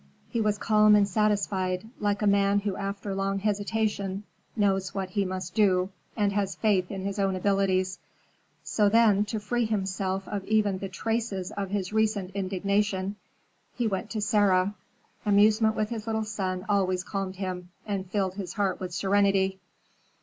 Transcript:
He was calm and satisfied, like a man who after long hesitation knows what he must do, and has faith in his own abilities. So then, to free himself of even the traces of his recent indignation, he went to Sarah. Amusement with his little son always calmed him, and filled his heart with serenity.